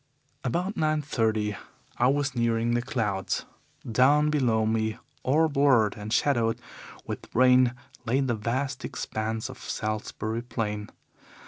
"About nine thirty I was nearing the clouds. Down below me, all blurred and shadowed with rain, lay the vast expanse of Salisbury Plain.